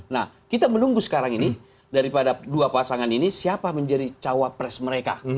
nah kita menunggu sekarang ini daripada dua pasangan ini siapa menjadi cawapres mereka